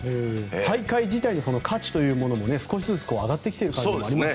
大会自体の価値も少しずつ上がってきている感じがしますね。